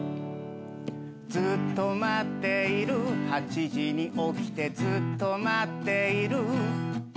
「ずっと待っている８時に起きてずっと待っている」